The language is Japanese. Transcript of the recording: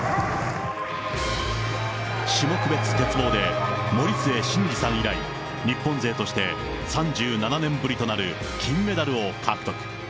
種目別鉄棒で森末慎二さん以来、日本勢として３７年ぶりとなる金メダルを獲得。